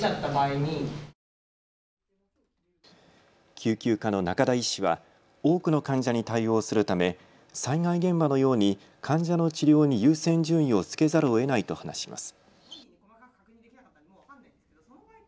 救急科の中田医師は多くの患者に対応するため災害現場のように患者の治療に優先順位をつけざるをえないと話します。